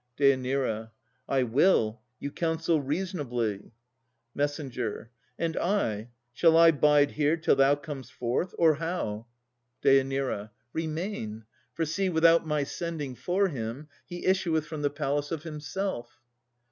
DÊ. I will; you counsel reasonably. MESS. And I, Shall I bide here till thou com'st forth? Or how? DÊ. Remain. For see, without my sending for him, He issueth from the palace of himself.